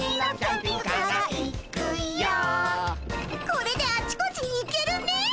これであちこちに行けるね。